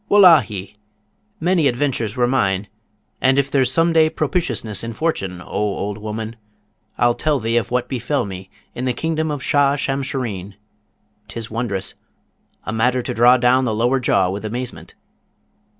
Wullahy! many adventures were mine, and if there's some day propitiousness in fortune, O old woman, I'll tell thee of what befell me in the kingdom of Shah Shamshureen: 'tis wondrous, a matter to draw down the lower jaw with amazement!